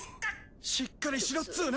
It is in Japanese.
しっかりしろっツーナ！